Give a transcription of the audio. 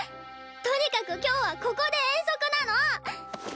とにかく今日はここで遠足なの！